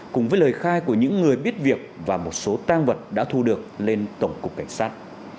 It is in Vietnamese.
cùng với lời khai của những người biết việc và một số tang vật đã thu được lên tổng cục cảnh sát